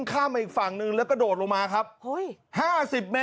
ทำไมอะอยู่ใกล้อ่ะชน